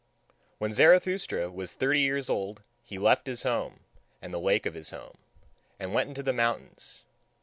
When Zarathustra was thirty years old, he left his home and the lake of his home, and went into the mountains.